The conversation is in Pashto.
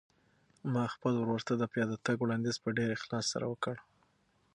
ما خپل ورور ته د پیاده تګ وړاندیز په ډېر اخلاص سره وکړ.